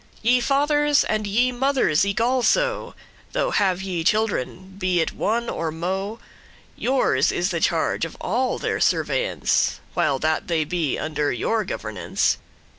Ye fathers, and ye mothers eke also, Though ye have children, be it one or mo', Yours is the charge of all their surveyance,* *supervision While that they be under your governance.